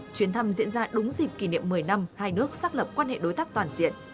chuyến thăm diễn ra đúng dịp kỷ niệm một mươi năm hai nước xác lập quan hệ đối tác toàn diện